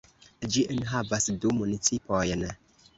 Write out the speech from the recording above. Ĝi enhavas du municipojn.